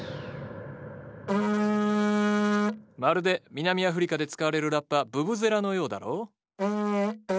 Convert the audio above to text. まるで南アフリカで使われるラッパブブゼラのようだろ？